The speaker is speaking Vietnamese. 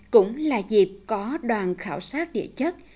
cũng là dịp có đoàn khảo sát địa chất